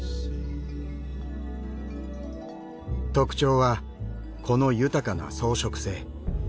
特徴はこの豊かな装飾性。